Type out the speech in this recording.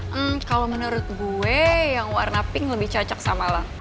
hmm kalo menurut gue yang warna pink lebih cocok sama lo